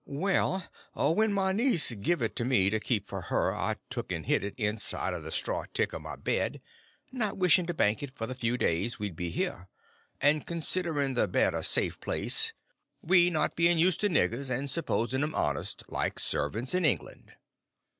"Well, when my niece give it to me to keep for her I took and hid it inside o' the straw tick o' my bed, not wishin' to bank it for the few days we'd be here, and considerin' the bed a safe place, we not bein' used to niggers, and suppos'n' 'em honest, like servants in England.